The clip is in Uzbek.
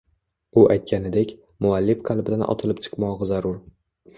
U aytganidek, muallif qalbidan otilib chiqmog’i zarur.